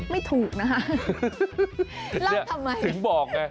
ไม่ถูกนะครับ